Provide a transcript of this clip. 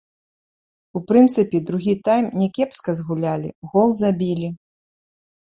У прынцыпе, другі тайм някепска згулялі, гол забілі.